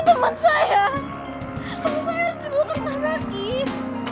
temen saya harus dibutuhkan sakit